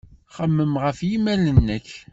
Xemmem ɣef yimal-nnek.